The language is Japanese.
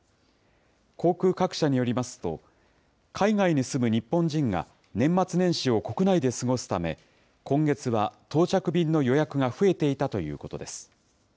航空各社によりますと、海外に住む日本人が年末年始を国内で過ごすため、今月は到着便の予約が増えていたということです。